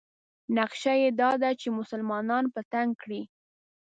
نقشه یې دا ده چې مسلمانان په تنګ کړي.